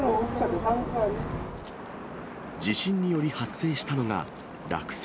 地震により発生したのが落石。